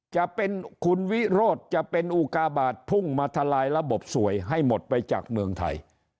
จะเป็นคุณวิโรธจะเป็นอุกาบาทพุ่งมาทลายระบบสวยให้หมดไปจากเมืองไทย